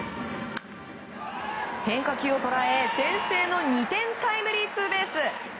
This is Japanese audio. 変化球を捉え、先制の２点タイムリーツーベース。